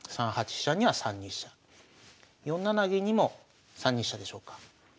飛車には３二飛車４七銀にも３二飛車でしょうか。